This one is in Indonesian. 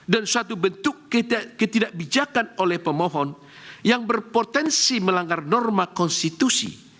dan suatu bentuk ketidakbijakan oleh pemohon yang berpotensi melanggar norma konstitusi